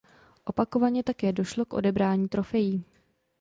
Opakovaně také došlo k odebrání trofejí.